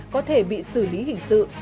có thể bị xử lý hình sự